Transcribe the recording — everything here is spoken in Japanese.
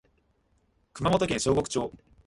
熊本県小国町